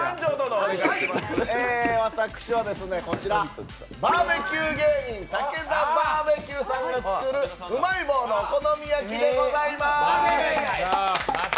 私はバーベキュー芸人たけだバーベキューさんが作るうまい棒のお好み焼きでございまーす。